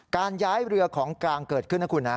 การย้ายเรือของกลางเกิดขึ้นนะคุณนะ